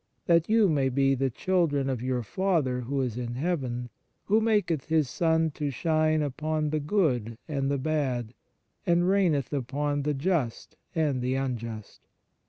That you may be the children of your Father who is in heaven, who maketh his sun to rise upon the good, and bad, and raineth upon the just and the unjust.